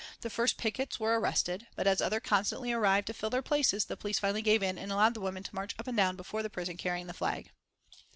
The first pickets were arrested, but as others constantly arrived to fill their places the police finally gave in and allowed the women to march up and down before the prison carrying the flag.